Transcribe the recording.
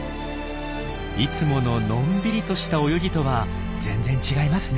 いつもののんびりとした泳ぎとは全然違いますね。